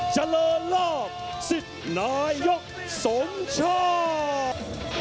จันทร์รัมสิดนายกสมชาติ